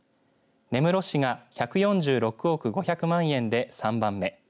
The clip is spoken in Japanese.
根室市が１４６億５００万円で３番目。